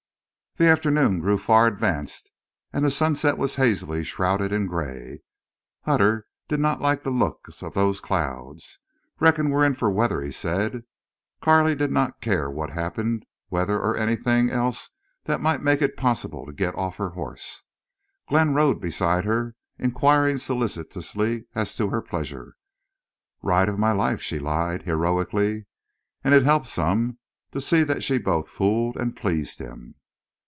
The afternoon grew far advanced and the sunset was hazily shrouded in gray. Hutter did not like the looks of those clouds. "Reckon we're in for weather," he said. Carley did not care what happened. Weather or anything else that might make it possible to get off her horse! Glenn rode beside her, inquiring solicitously as to her pleasure. "Ride of my life!" she lied heroically. And it helped some to see that she both fooled and pleased him.